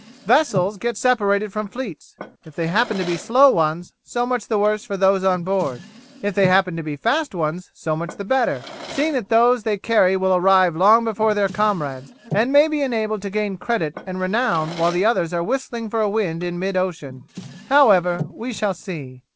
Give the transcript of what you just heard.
"Vessels get separated from fleets. If they happen to be slow ones so much the worse for those on board; if they happen to be fast ones so much the better, seeing that those they carry will arrive long before their comrades, and may be enabled to gain credit and renown while the others are whistling for a wind in mid ocean. However, we shall see."